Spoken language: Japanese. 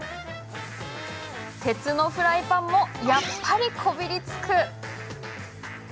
鉄のフライパンもやっぱり、こびりつく。